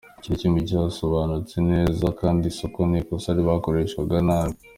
Icyo ni kimwe cyasobanutse neza kandi koko ni ikosa byakoreshwaga nabi.